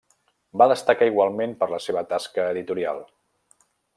Va destacar igualment per la seva tasca editorial.